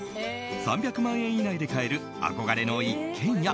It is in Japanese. ３００万円以内で買える憧れの一軒家。